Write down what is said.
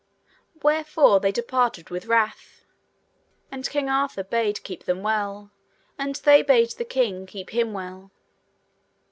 Wherefore they departed with wrath, and King Arthur bade keep them well, and they bade the king keep him well.